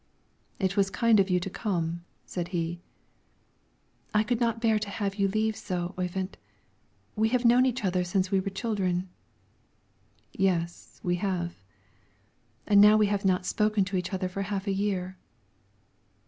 "It was kind of you to come," said he. "I could not bear to have you leave so, Oyvind; we have known each other since we were children." "Yes; we have." "And now we have not spoken to each other for half a year."